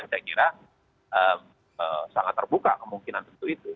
saya kira sangat terbuka kemungkinan tentu itu